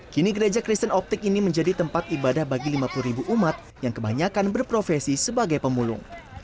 kini gereja kristen optik ini menjadi tempat ibadah bagi lima puluh ribu umat yang kebanyakan berprofesi sebagai pemulung